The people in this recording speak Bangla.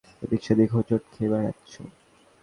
এদিক-সেদিক হোঁচট খেয়ে বেড়াচ্ছ!